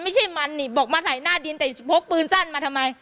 ไม่ใช่มันนี่บอกมาใส่หน้าดินแต่พกปืนสั้นมาทำไม